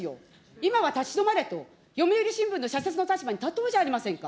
今は立ち止まれと、読売新聞の社説の立場に立とうじゃありませんか。